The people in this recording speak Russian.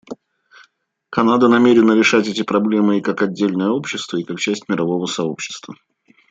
Канада намерена решать эти проблемы и как отдельное общество и как часть мирового сообщества.